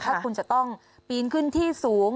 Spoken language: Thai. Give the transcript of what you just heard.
ถ้าคุณจะต้องปีนขึ้นที่สูง